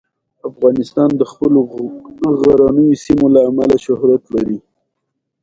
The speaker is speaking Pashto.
ځنګلونه د افغانستان د اقتصادي منابعو ارزښت زیاتوي.